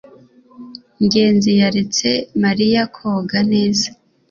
ngenzi yaretse mariya koga. neza